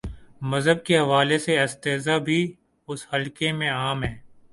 مذہب کے حوالے سے استہزا بھی، اس حلقے میں عام ہے۔